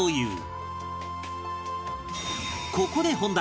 ここで本題！